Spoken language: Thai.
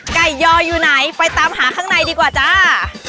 ยออยู่ไหนไปตามหาข้างในดีกว่าจ้า